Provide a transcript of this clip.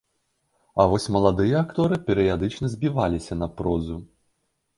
А вось маладыя акторы перыядычна збіваліся на прозу.